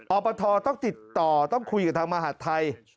อปทต้องติดต่อต้องคุยกับทางมหาดไทย